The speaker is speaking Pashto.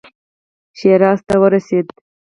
شیراز ته ورسېدی.